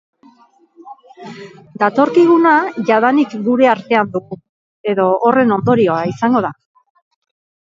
Datorkiguna jadanik gure artean dugu, edo horren ondorio izango da.